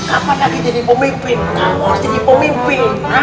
kapan lagi jadi pemimpin kamu harus jadi pemimpin